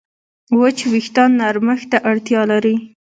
وچ وېښتيان نرمښت ته اړتیا لري.